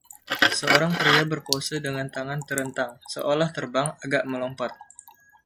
Seorang pria berpose dengan tangan terentang, seolah terbang, agak melompat.